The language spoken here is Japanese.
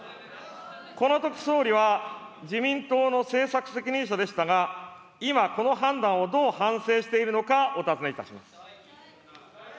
このとき総理は自民党の政策責任者でしたが、今、この判断をどう反省しているのか、お尋ねいたします。